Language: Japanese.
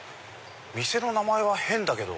店の名前は変だけど。